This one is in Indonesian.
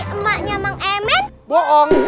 emaknya mengenal bohong